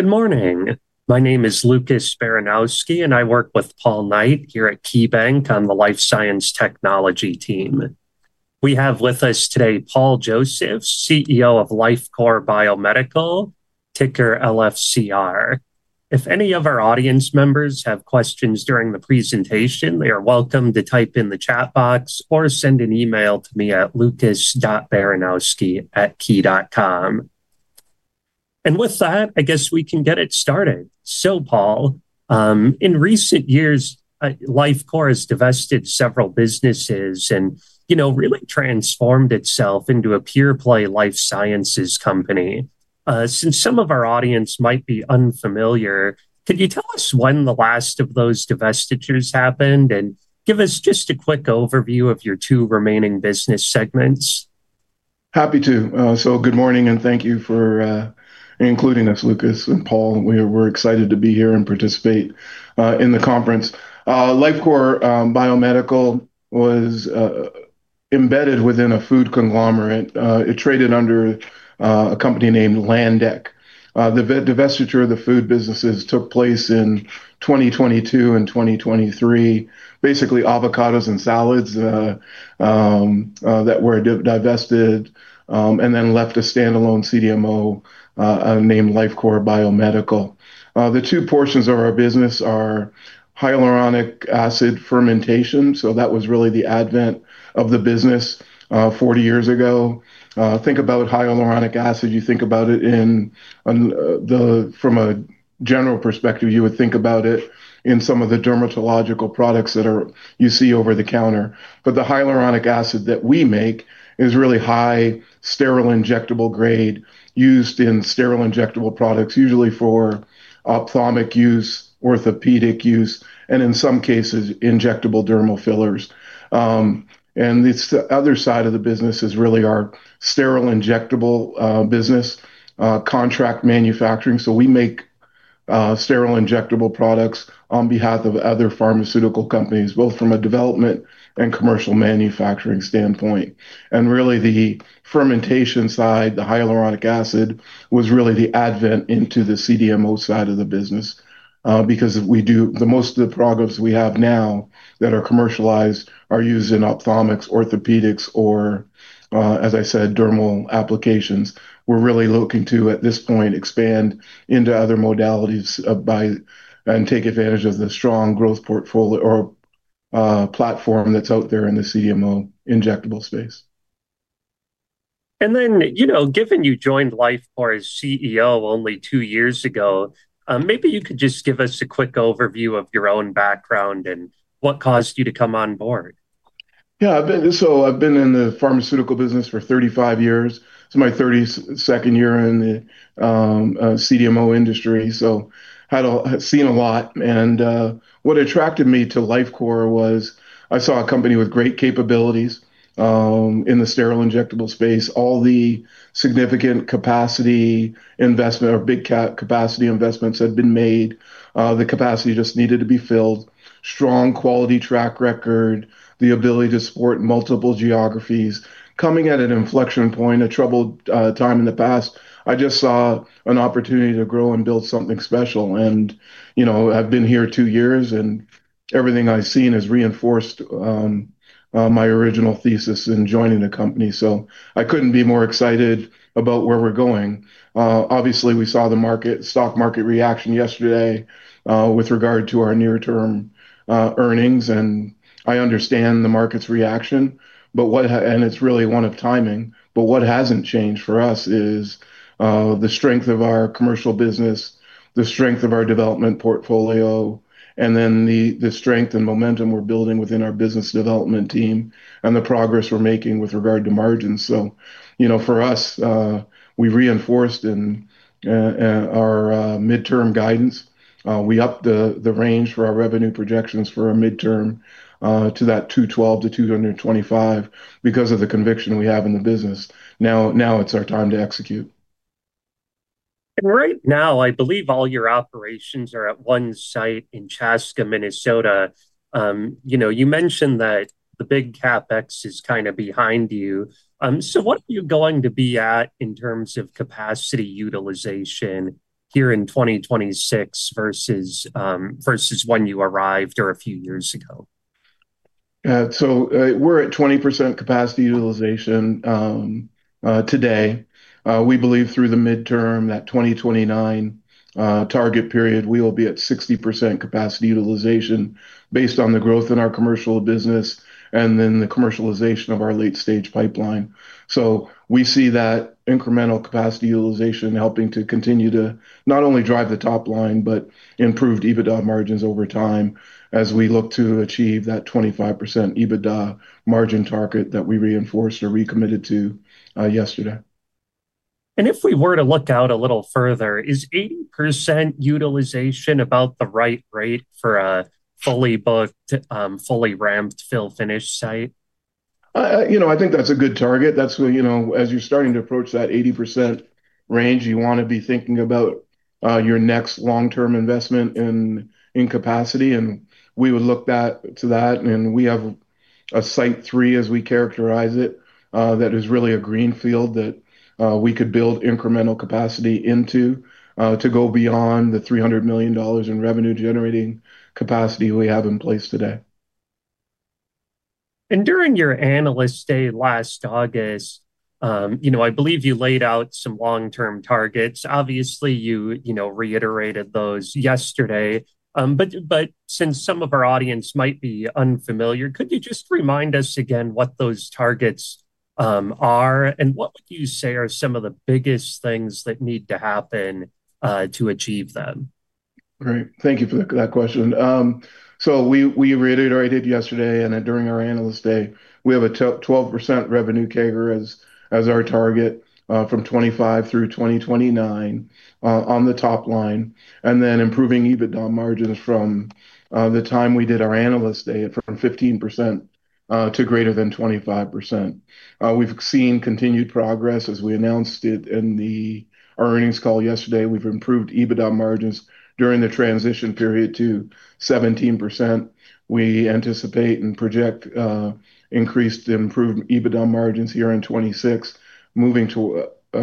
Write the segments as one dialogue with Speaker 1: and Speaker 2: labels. Speaker 1: Good morning. My name is Lucas Baranowski, and I work with Paul Knight here at KeyBanc on the Life Science Technology team. We have with us today Paul Josephs, CEO of Lifecore Biomedical, ticker LFCR. If any of our audience members have questions during the presentation, they are welcome to type in the chat box or send an email to me at lucas.baranowski@key.com. With that, I guess we can get it started. Paul, in recent years, Lifecore has divested several businesses and, you know, really transformed itself into a pure play life sciences company. Since some of our audience might be unfamiliar, could you tell us when the last of those divestitures happened, and give us just a quick overview of your two remaining business segments?
Speaker 2: Happy to. Good morning and thank you for including us, Lucas and Paul. We're excited to be here and participate in the conference. Lifecore Biomedical was embedded within a food conglomerate. It traded under a company named Landec. The divestiture of the food businesses took place in 2022 and 2023. Basically, avocados and salads that were divested and then left a standalone CDMO named Lifecore Biomedical. The two portions of our business are hyaluronic acid fermentation, so that was really the advent of the business 40 years ago. Think about hyaluronic acid, you think about it from a general perspective, you would think about it in some of the dermatological products that you see over the counter. The hyaluronic acid that we make is really highly sterile injectable grade used in sterile injectable products, usually for ophthalmic use, orthopedic use, and in some cases, injectable dermal fillers. It's the other side of the business is really our sterile injectable business contract manufacturing. We make sterile injectable products on behalf of other pharmaceutical companies, both from a development and commercial manufacturing standpoint. Really the fermentation side, the hyaluronic acid, was really the advent into the CDMO side of the business. Because most of the products we have now that are commercialized are used in ophthalmics, orthopedics or as I said, dermal applications. We're really looking to, at this point, expand into other modalities, by and take advantage of the strong growth portfolio or platform that's out there in the CDMO injectable space.
Speaker 1: You know, given you joined Lifecore as CEO only two years ago, maybe you could just give us a quick overview of your own background and what caused you to come on board?
Speaker 2: Yeah. I've been in the pharmaceutical business for 35 years, it's my 32nd year in the CDMO industry, so I had seen a lot. What attracted me to Lifecore was I saw a company with great capabilities in the sterile injectable space. All the significant capacity investment or capacity investments had been made. The capacity just needed to be filled. Strong quality track record, the ability to support multiple geographies. Coming at an inflection point, a troubled time in the past, I just saw an opportunity to grow and build something special. You know, I've been here two years, and everything I've seen has reinforced my original thesis in joining the company. I couldn't be more excited about where we're going. Obviously, we saw the market stock market reaction yesterday with regard to our near-term earnings, and I understand the market's reaction, but it's really one of timing. What hasn't changed for us is the strength of our commercial business, the strength of our development portfolio, and then the strength and momentum we're building within our business development team and the progress we're making with regard to margins. You know, for us, we've reinforced our mid-term guidance. We upped the range for our revenue projections for our mid-term to $212-$225 because of the conviction we have in the business. Now, it's our time to execute.
Speaker 1: Right now, I believe all your operations are at one site in Chaska, Minnesota. You know, you mentioned that the big CapEx is kind of behind you. What are you going to be at in terms of capacity utilization here in 2026 versus when you arrived or a few years ago?
Speaker 2: We're at 20% capacity utilization today. We believe through the midterm, that 2029 target period, we will be at 60% capacity utilization based on the growth in our commercial business and then the commercialization of our late-stage pipeline. We see that incremental capacity utilization helping to continue to not only drive the top line, but improved EBITDA margins over time as we look to achieve that 25% EBITDA margin target that we reinforced or recommitted to yesterday.
Speaker 1: If we were to look out a little further, is 80% utilization about the right rate for a fully booked, fully ramped fill-finish site?
Speaker 2: You know, I think that's a good target. That's where, you know, as you're starting to approach that 80% range, you wanna be thinking about your next long-term investment in capacity, and we would look to that. We have a site three, as we characterize it, that is really a greenfield that we could build incremental capacity into, to go beyond the $300 million in revenue-generating capacity we have in place today.
Speaker 1: During your Analyst Day last August, you know, I believe you laid out some long-term targets. Obviously, you know, reiterated those yesterday. But since some of our audience might be unfamiliar, could you just remind us again what those targets are and what would you say are some of the biggest things that need to happen to achieve them?
Speaker 2: Great. Thank you for that question. So we reiterated yesterday and then during our Analyst Day, we have a 12% revenue CAGR as our target, from 2025 through 2029, on the top line, and then improving EBITDA margins from the time we did our Analyst Day from 15%, to greater than 25%. We've seen continued progress as we announced it in our earnings call yesterday. We've improved EBITDA margins during the transition period to 17%. We anticipate and project increased and improved EBITDA margins here in 2026, moving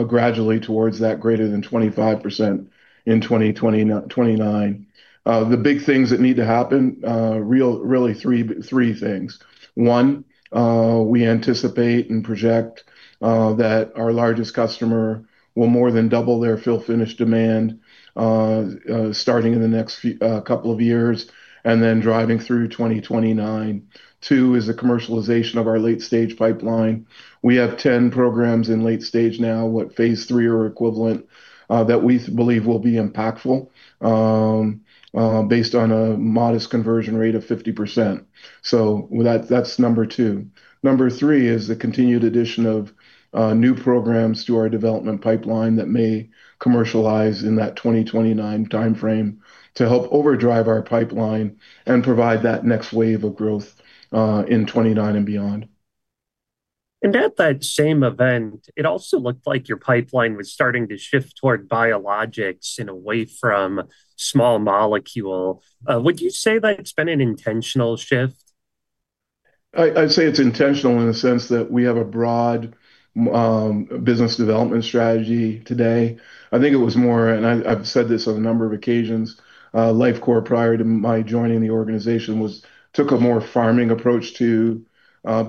Speaker 2: gradually towards that greater than 25% in 2029. The big things that need to happen, really three things. One, we anticipate and project that our largest customer will more than double their fill-finish demand, starting in the next few couple of years and then driving through 2029. Two is the commercialization of our late-stage pipeline. We have 10 programs in late stage now, in phase III or equivalent, that we believe will be impactful, based on a modest conversion rate of 50%. That's number two. Number three is the continued addition of new programs to our development pipeline that may commercialize in that 2029 timeframe to help overdrive our pipeline and provide that next wave of growth, in 2029 and beyond.
Speaker 1: At that same event, it also looked like your pipeline was starting to shift toward biologics and away from small molecule. Would you say that it's been an intentional shift?
Speaker 2: I'd say it's intentional in the sense that we have a broad business development strategy today. I think it was more. I've said this on a number of occasions, Lifecore, prior to my joining the organization, was took a more farming approach to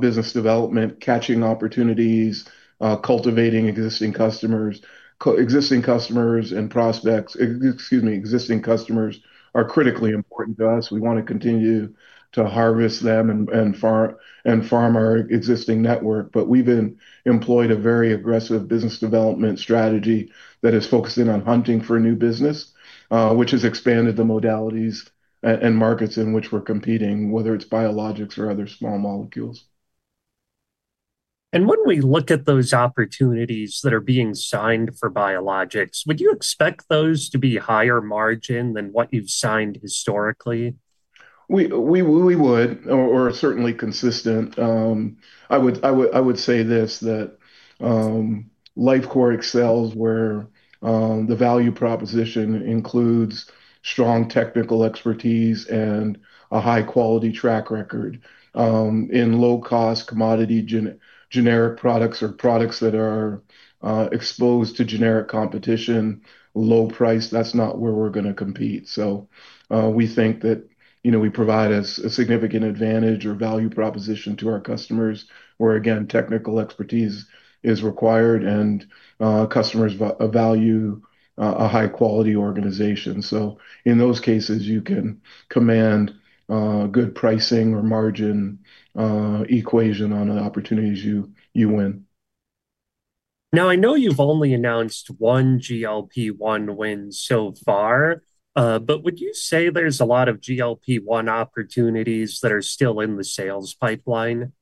Speaker 2: business development, catching opportunities, cultivating existing customers. Existing customers and prospects, excuse me, existing customers are critically important to us. We wanna continue to harvest them and farm our existing network. We've been employed a very aggressive business development strategy that is focusing on hunting for new business, which has expanded the modalities and markets in which we're competing, whether it's biologics or other small molecules.
Speaker 1: When we look at those opportunities that are being signed for biologics, would you expect those to be higher margin than what you've signed historically?
Speaker 2: I would say this, that Lifecore excels where the value proposition includes strong technical expertise and a high-quality track record in low-cost commodity generic products or products that are exposed to generic competition, low price. That's not where we're gonna compete. We think that, you know, we provide a significant advantage or value proposition to our customers, where again, technical expertise is required and customers value a high-quality organization. In those cases you can command good pricing or margin equation on the opportunities you win.
Speaker 1: Now, I know you've only announced one GLP-1 win so far, but would you say there's a lot of GLP-1 opportunities that are still in the sales pipeline?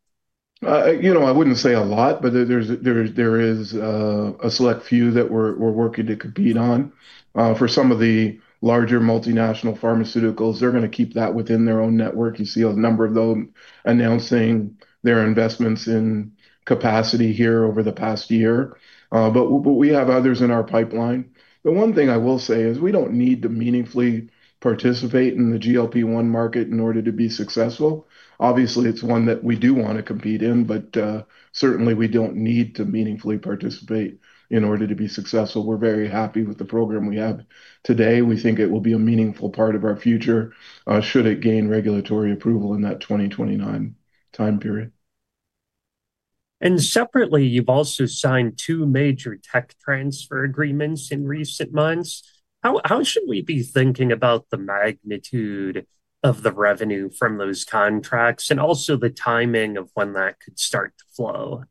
Speaker 2: You know, I wouldn't say a lot, but there is a select few that we're working to compete on. For some of the larger multinational pharmaceuticals, they're gonna keep that within their own network. You see a number of them announcing their investments in capacity here over the past year. But we have others in our pipeline. The one thing I will say is we don't need to meaningfully participate in the GLP-1 market in order to be successful. Obviously, it's one that we do wanna compete in, but certainly we don't need to meaningfully participate in order to be successful. We're very happy with the program we have today. We think it will be a meaningful part of our future, should it gain regulatory approval in that 2029 time period.
Speaker 1: Separately, you've also signed two major tech transfer agreements in recent months. How should we be thinking about the magnitude of the revenue from those contracts and also the timing of when that could start to flow?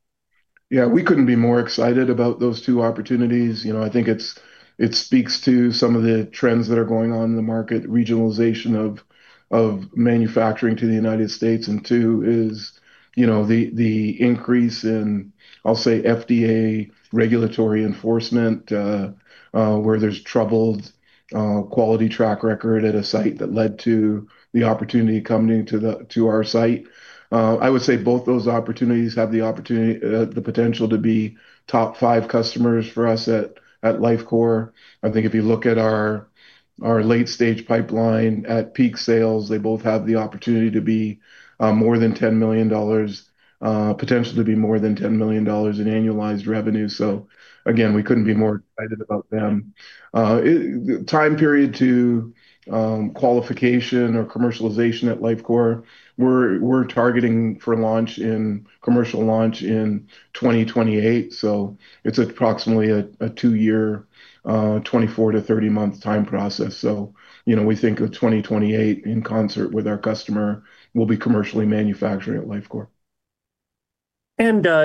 Speaker 2: Yeah, we couldn't be more excited about those two opportunities. You know, I think it's, it speaks to some of the trends that are going on in the market, regionalization of manufacturing to the United States, and two is, you know, the increase in, I'll say, FDA regulatory enforcement, where there's troubled quality track record at a site that led to the opportunity coming to our site. I would say both those opportunities have the opportunity, the potential to be top five customers for us at Lifecore. I think if you look at our late-stage pipeline at peak sales, they both have the opportunity to be more than $10 million, potentially be more than $10 million in annualized revenue. Again, we couldn't be more excited about them. Time period to qualification or commercialization at Lifecore, we're targeting commercial launch in 2028, so it's approximately a two year, 24-30 month time process. You know, we think of 2028 in concert with our customer will be commercially manufacturing at Lifecore.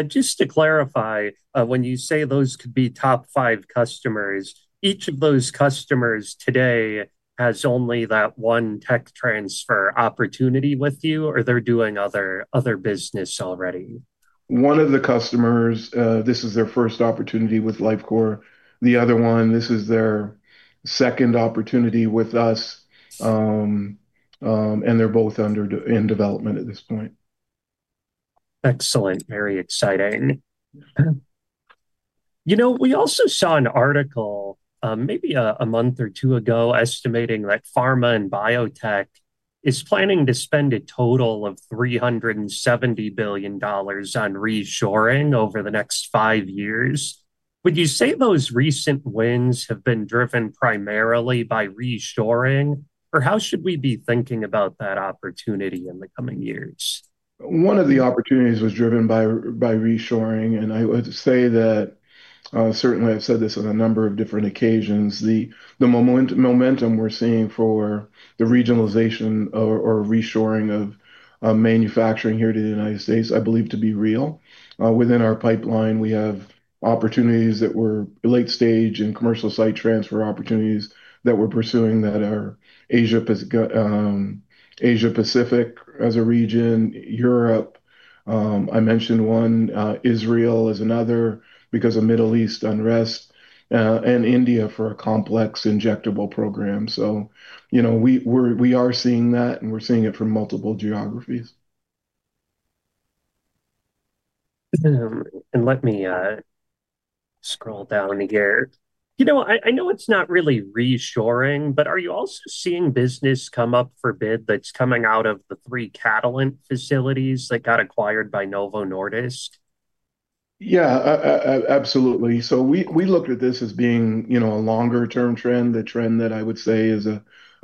Speaker 1: Just to clarify, when you say those could be top five customers, each of those customers today has only that one tech transfer opportunity with you, or they're doing other business already?
Speaker 2: One of the customers, this is their first opportunity with Lifecore. The other one, this is their second opportunity with us. They're both in development at this point.
Speaker 1: Excellent. Very exciting. You know, we also saw an article, maybe a month or two ago estimating that pharma and biotech is planning to spend a total of $370 billion on reshoring over the next five years. Would you say those recent wins have been driven primarily by reshoring, or how should we be thinking about that opportunity in the coming years?
Speaker 2: One of the opportunities was driven by reshoring. I would say that certainly I've said this on a number of different occasions, the momentum we're seeing for the regionalization or reshoring of manufacturing here to the United States I believe to be real. Within our pipeline, we have opportunities that we're late stage in commercial site transfer opportunities that we're pursuing that are Asia Pacific as a region. Europe, I mentioned one. Israel is another because of Middle East unrest. India for a complex injectable program. You know, we are seeing that, and we're seeing it from multiple geographies.
Speaker 1: Let me scroll down here. You know, I know it's not really reshoring, but are you also seeing business come up for bid that's coming out of the three Catalent facilities that got acquired by Novo Holdings?
Speaker 2: Yeah. Absolutely. We looked at this as being, you know, a longer term trend, the trend that I would say is a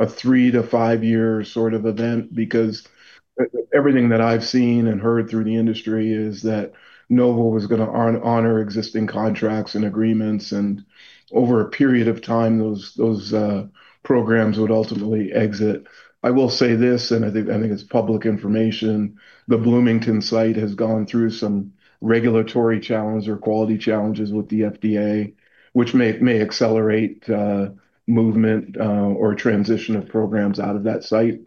Speaker 2: three to five year sort of event because everything that I've seen and heard through the industry is that Novo was gonna honor existing contracts and agreements, and over a period of time, those programs would ultimately exit. I will say this, and I think it's public information, the Bloomington site has gone through some regulatory challenge or quality challenges with the FDA, which may accelerate movement or transition of programs out of that site.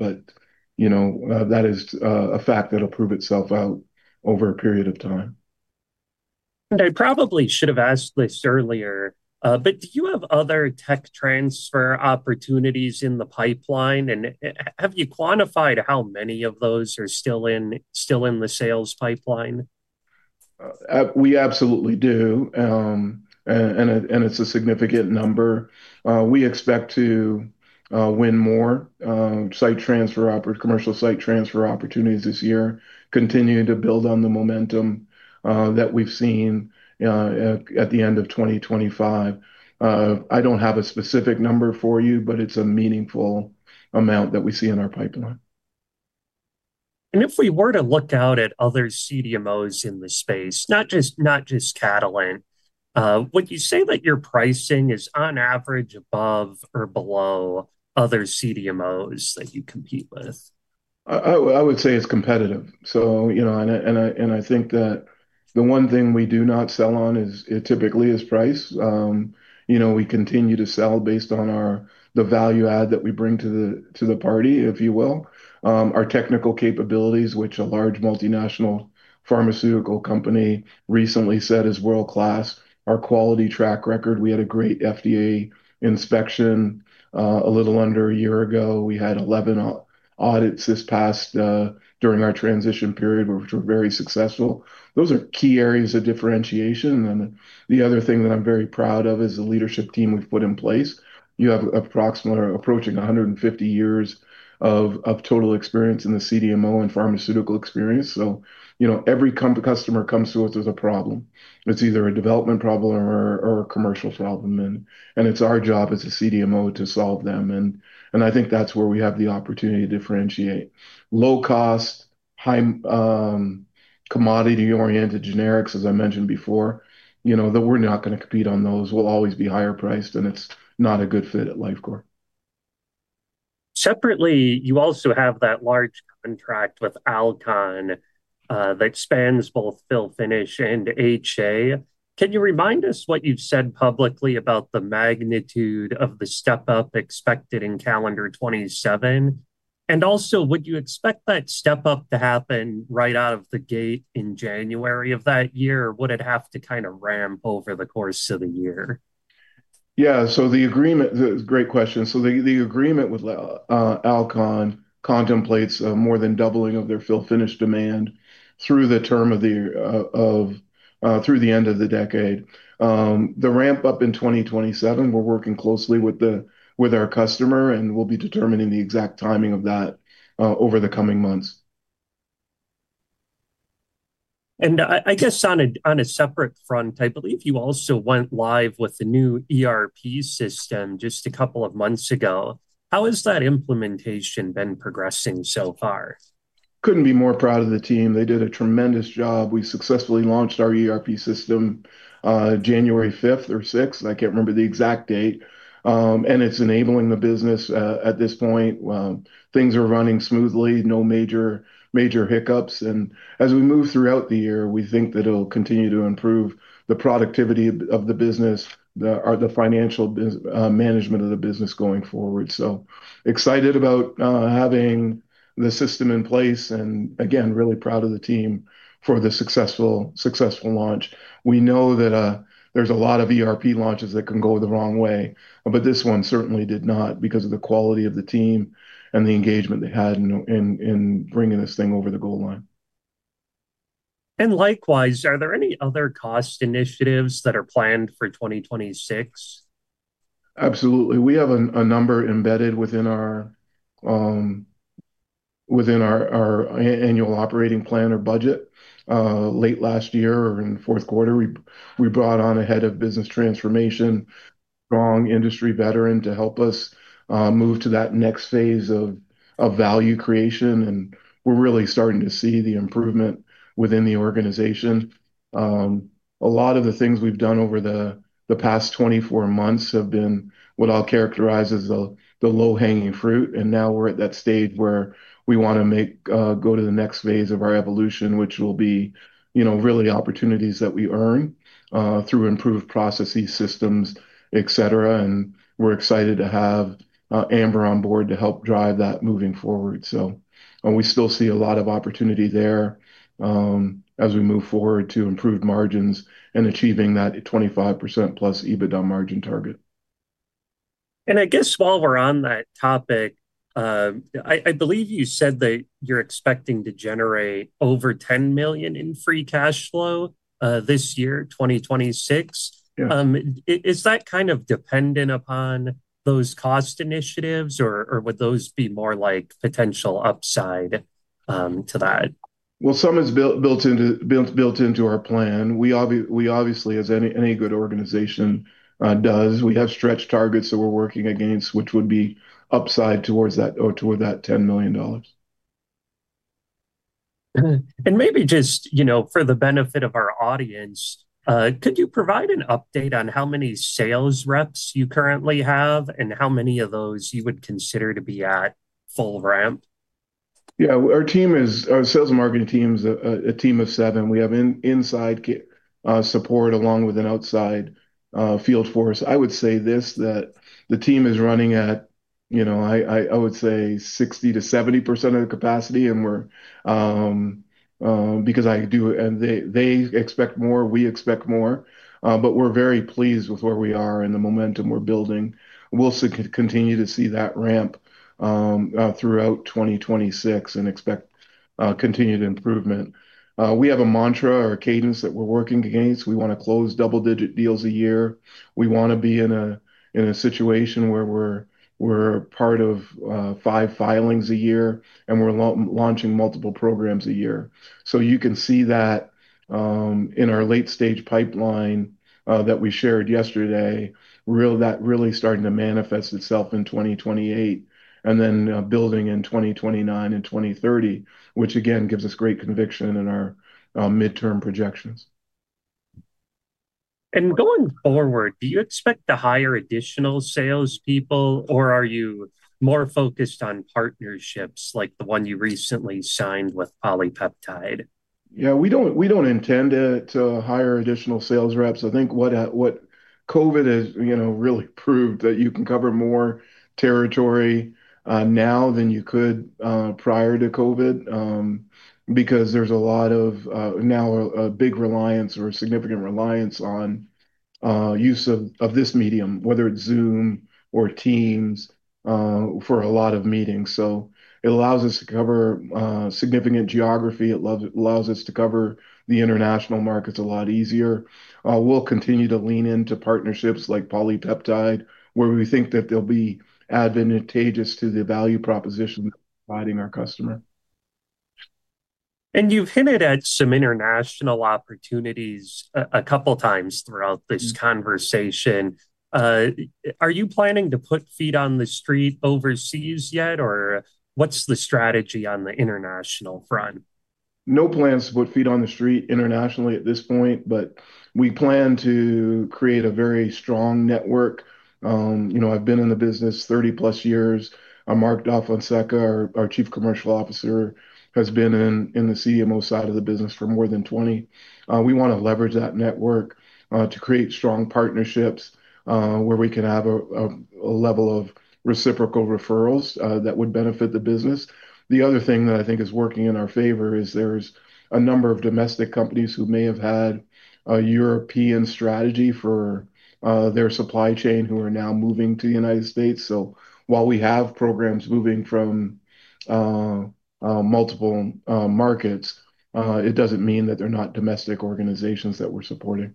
Speaker 2: You know, that is a fact that'll prove itself out over a period of time.
Speaker 1: I probably should have asked this earlier, but do you have other Tech transfer opportunities in the pipeline, and have you quantified how many of those are still in the sales pipeline?
Speaker 2: We absolutely do. It's a significant number. We expect to win more commercial site transfer opportunities this year, continuing to build on the momentum that we've seen at the end of 2025. I don't have a specific number for you, but it's a meaningful amount that we see in our pipeline.
Speaker 1: If we were to look out at other CDMOs in the space, not just Catalent, would you say that your pricing is on average above or below other CDMOs that you compete with?
Speaker 2: I would say it's competitive. You know, I think that the one thing we do not sell on is it typically is price. You know, we continue to sell based on our the value add that we bring to the party, if you will. Our technical capabilities, which a large multinational pharmaceutical company recently said is world-class. Our quality track record, we had a great FDA inspection a little under a year ago. We had 11 audits this past during our transition period, which were very successful. Those are key areas of differentiation. The other thing that I'm very proud of is the leadership team we've put in place. You have approximate or approaching 150 years of total experience in the CDMO and pharmaceutical experience, so you know, every customer comes to us with a problem. It's either a development problem or a commercial problem, and it's our job as a CDMO to solve them. I think that's where we have the opportunity to differentiate. Low cost, high commodity-oriented generics, as I mentioned before, you know, that we're not gonna compete on those. We'll always be higher priced, and it's not a good fit at Lifecore.
Speaker 1: Separately, you also have that large contract with Alcon, that spans both fill-finish and HA. Can you remind us what you've said publicly about the magnitude of the step-up expected in calendar 2027? And also, would you expect that step-up to happen right out of the gate in January of that year, or would it have to kind of ramp over the course of the year?
Speaker 2: Yeah. Great question. The agreement with Alcon contemplates more than doubling of their fill-finish demand through the term of the agreement through the end of the decade. The ramp up in 2027, we're working closely with our customer, and we'll be determining the exact timing of that over the coming months.
Speaker 1: I guess on a separate front, I believe you also went live with the new ERP system just a couple of months ago. How has that implementation been progressing so far?
Speaker 2: Couldn't be more proud of the team. They did a tremendous job. We successfully launched our ERP system, January 5th or 6th, I can't remember the exact date. It's enabling the business at this point. Things are running smoothly, no major hiccups. As we move throughout the year, we think that it'll continue to improve the productivity of the business or the financial management of the business going forward. Excited about having the system in place, and again, really proud of the team for the successful launch. We know that there's a lot of ERP launches that can go the wrong way, but this one certainly did not because of the quality of the team and the engagement they had in bringing this thing over the goal line.
Speaker 1: Likewise, are there any other cost initiatives that are planned for 2026?
Speaker 2: Absolutely. We have a number embedded within our annual operating plan or budget. Late last year or in the fourth quarter, we brought on a head of business transformation, strong industry veteran, to help us move to that next phase of value creation, and we're really starting to see the improvement within the organization. A lot of the things we've done over the past 24 months have been what I'll characterize as the low-hanging fruit, and now we're at that stage where we wanna go to the next phase of our evolution, which will be, you know, really opportunities that we earn through improved processes, systems, etc. We're excited to have Amber on board to help drive that moving forward. We still see a lot of opportunity there, as we move forward to improved margins and achieving that 25%+ EBITDA margin target.
Speaker 1: I guess while we're on that topic, I believe you said that you're expecting to generate over $10 million in free cash flow this year, 2026.
Speaker 2: Yeah.
Speaker 1: Is that kind of dependent upon those cost initiatives, or would those be more like potential upside to that?
Speaker 2: Well, some is built into our plan. We obviously, as any good organization does, we have stretch targets that we're working against, which would be upside toward that $10 million.
Speaker 1: Maybe just, you know, for the benefit of our audience, could you provide an update on how many sales reps you currently have and how many of those you would consider to be at full ramp?
Speaker 2: Yeah. Our sales and marketing team is a team of seven. We have inside support along with an outside field force. I would say this, that the team is running at, you know, I would say 60%-70% of the capacity, and we're, they expect more, we expect more, but we're very pleased with where we are and the momentum we're building. We'll continue to see that ramp throughout 2026 and expect continued improvement. We have a mantra or a cadence that we're working against. We wanna close double-digit deals a year. We wanna be in a situation where we're part of five filings a year, and we're launching multiple programs a year. You can see that in our late-stage pipeline that we shared yesterday, that really starting to manifest itself in 2028 and then building in 2029 and 2030, which again gives us great conviction in our midterm projections.
Speaker 1: Going forward, do you expect to hire additional salespeople, or are you more focused on partnerships like the one you recently signed with PolyPeptide?
Speaker 2: Yeah. We don't intend to hire additional sales reps. I think what COVID has, you know, really proved that you can cover more territory now than you could prior to COVID, because there's now a big reliance or a significant reliance on use of this medium, whether it's Zoom or Teams, for a lot of meetings. It allows us to cover significant geography. It allows us to cover the international markets a lot easier. We'll continue to lean into partnerships like PolyPeptide, where we think that they'll be advantageous to the value proposition providing our customer.
Speaker 1: You've hinted at some international opportunities a couple times throughout this conversation. Are you planning to put feet on the street overseas yet, or what's the strategy on the international front?
Speaker 2: No plans to put feet on the street internationally at this point, but we plan to create a very strong network. You know, I've been in the business 30+ years. Mark DaFonseca, our Chief Commercial Officer, has been in the CMO side of the business for more than 20. We wanna leverage that network to create strong partnerships where we can have a level of reciprocal referrals that would benefit the business. The other thing that I think is working in our favor is there's a number of domestic companies who may have had a European strategy for their supply chain who are now moving to the United States. While we have programs moving from multiple markets, it doesn't mean that they're not domestic organizations that we're supporting.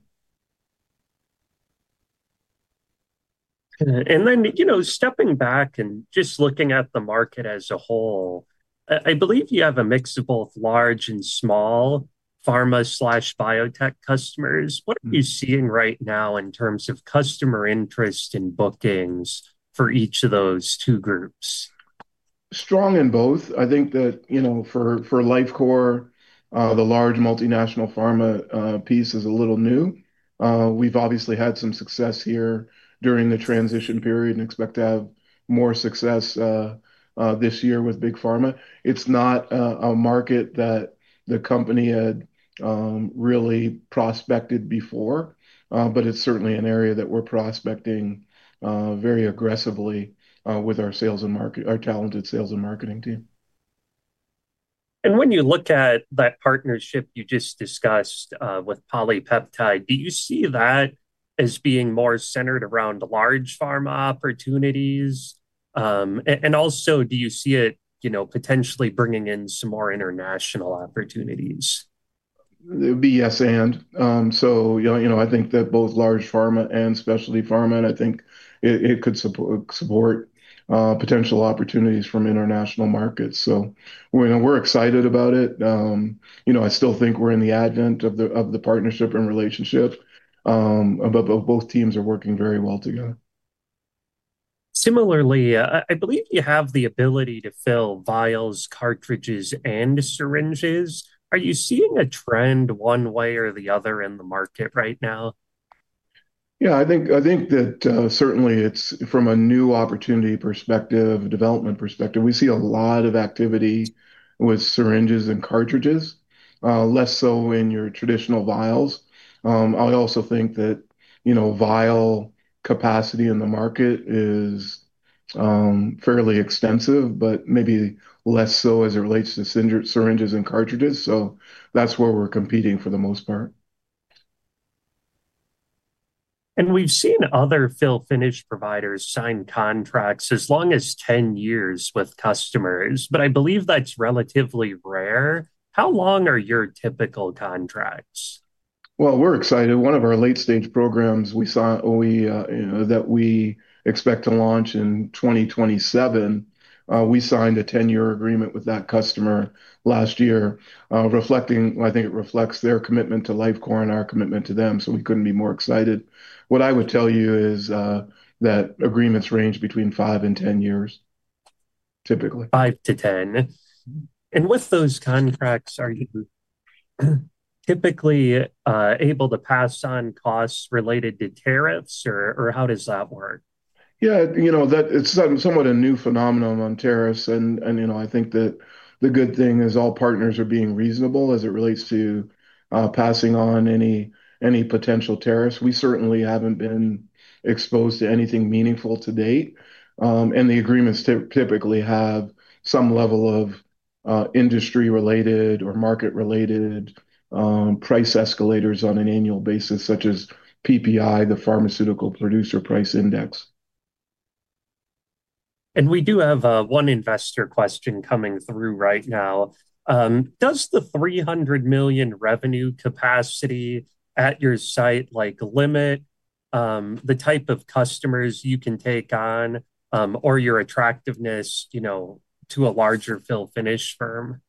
Speaker 1: you know, stepping back and just looking at the market as a whole, I believe you have a mix of both large and small pharma/biotech customers, what are you seeing right now in terms of customer interest in bookings for each of those two groups?
Speaker 2: Strong in both. I think that for Lifecore the large multinational pharma piece is a little new. We've obviously had some success here during the transition period and expect to have more success this year with big pharma. It's not a market that the company had really prospected before, but it's certainly an area that we're prospecting very aggressively with our talented sales and marketing team.
Speaker 1: When you look at that partnership you just discussed with PolyPeptide, do you see that as being more centered around the large pharma opportunities? Also do you see it, you know, potentially bringing in some more international opportunities?
Speaker 2: It would be yes. You know, I think that both large pharma and specialty pharma, and I think it could support potential opportunities from international markets. We're excited about it. You know, I still think we're in the advent of the partnership and relationship. Both teams are working very well together.
Speaker 1: Similarly, I believe you have the ability to fill vials, cartridges, and syringes. Are you seeing a trend one way or the other in the market right now?
Speaker 2: Yeah, I think that certainly it's from a new opportunity perspective, development perspective. We see a lot of activity with syringes and cartridges, less so in your traditional vials. I also think that, you know, vial capacity in the market is fairly extensive, but maybe less so as it relates to syringes and cartridges. That's where we're competing for the most part.
Speaker 1: We've seen other fill-finish providers sign contracts as long as 10 years with customers, but I believe that's relatively rare. How long are your typical contracts?
Speaker 2: Well, we're excited. One of our late stage programs, you know, that we expect to launch in 2027, we signed a 10 year agreement with that customer last year, reflecting I think it reflects their commitment to Lifecore and our commitment to them, so we couldn't be more excited. What I would tell you is, that agreements range between five and 10 years typically.
Speaker 1: Five to 10. With those contracts, are you typically able to pass on costs related to tariffs, or how does that work?
Speaker 2: Yeah, you know, that it's somewhat a new phenomenon on tariffs and, you know, I think that the good thing is all partners are being reasonable as it relates to passing on any potential tariffs. We certainly haven't been exposed to anything meaningful to date. The agreements typically have some level of industry-related or market-related price escalators on an annual basis, such as PPI, the Pharmaceutical Producer Price Index.
Speaker 1: We do have one investor question coming through right now. Does the $300 million revenue capacity at your site like limit the type of customers you can take on or your attractiveness, you know, to a larger fill-finish firm?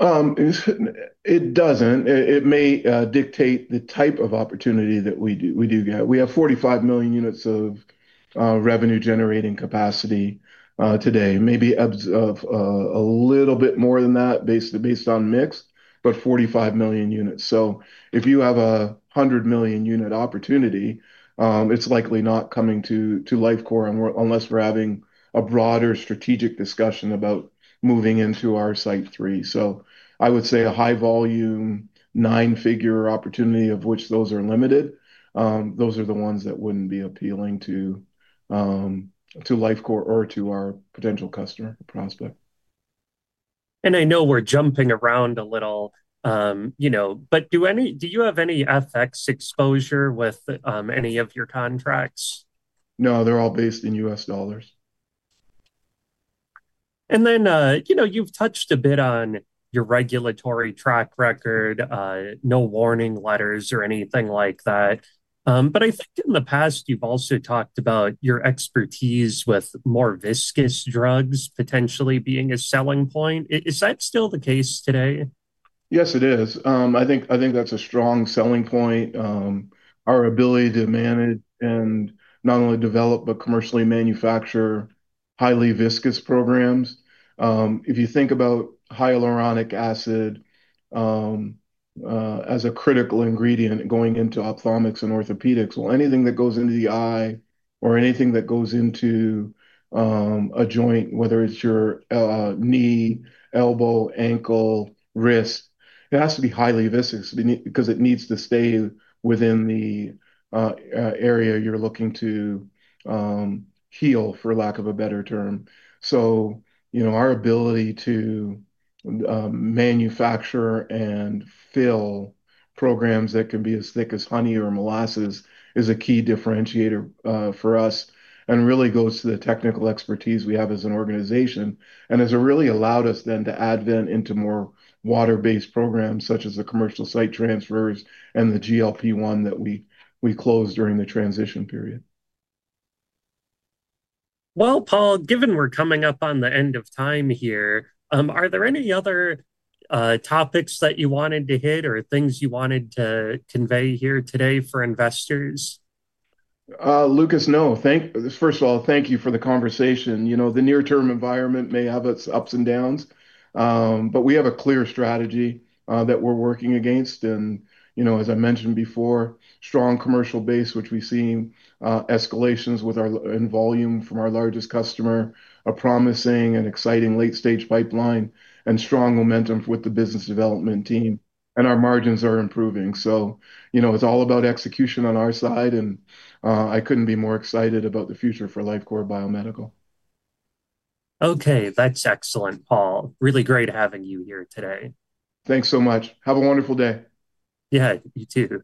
Speaker 2: It doesn't. It may dictate the type of opportunity that we get. We have 45 million units of revenue generating capacity today. Maybe a little bit more than that based on mix, but 45 million units. If you have a 100 million unit opportunity, it's likely not coming to Lifecore unless we're having a broader strategic discussion about moving into our site three. I would say a high volume nine-figure opportunity of which those are limited, those are the ones that wouldn't be appealing to Lifecore or to our potential customer or prospect.
Speaker 1: I know we're jumping around a little, you know, but do you have any FX exposure with any of your contracts?
Speaker 2: No, they're all based in U.S. dollars.
Speaker 1: You've touched a bit on your regulatory track record, no warning letters or anything like that. I think in the past you've also talked about your expertise with more viscous drugs potentially being a selling point. Is that still the case today?
Speaker 2: Yes, it is. I think that's a strong selling point. Our ability to manage and not only develop but commercially manufacture highly viscous programs. If you think about hyaluronic acid as a critical ingredient going into ophthalmics and orthopedics or anything that goes into the eye or anything that goes into a joint, whether it's your knee, elbow, ankle, wrist, it has to be highly viscous because it needs to stay within the area you're looking to heal, for lack of a better term. You know, our ability to manufacture and fill programs that can be as thick as honey or molasses is a key differentiator for us and really goes to the technical expertise we have as an organization. Has really allowed us then to advance into more water-based programs such as the commercial site transfers and the GLP-1 that we closed during the transition period.
Speaker 1: Well, Paul, given we're coming up on the end of time here, are there any other topics that you wanted to hit or things you wanted to convey here today for investors?
Speaker 2: Lucas, no. First of all, thank you for the conversation. You know, the near term environment may have its ups and downs, but we have a clear strategy that we're working against. You know, as I mentioned before, strong commercial base which we've seen escalations in volume from our largest customer, a promising and exciting late stage pipeline, and strong momentum with the business development team, and our margins are improving. You know, it's all about execution on our side, and I couldn't be more excited about the future for Lifecore Biomedical.
Speaker 1: Okay, that's excellent, Paul. Really great having you here today.
Speaker 2: Thanks so much. Have a wonderful day.
Speaker 1: Yeah, you too.